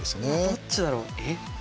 どっちだろう。